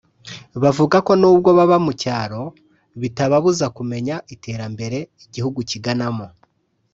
Bavuga ko n’ubwo baba mu cyaro bitababuza kumenya iterambere igihugu kiganamo